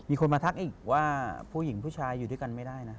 มีคนมาทักอีกว่าผู้หญิงผู้ชายอยู่ด้วยกันไม่ได้นะ